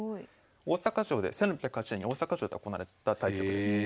で１６０８年に大阪城で行われた対局です。